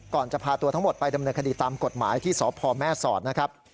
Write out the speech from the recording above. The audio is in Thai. จะพาตัวทั้งหมดไปดำเนินคดีตามกฎหมายที่สพแม่สอดนะครับ